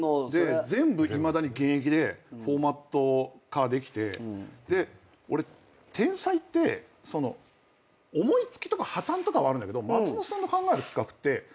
全部いまだに現役でフォーマット化できて俺天才って思いつきとか破綻とかはあるんだけど。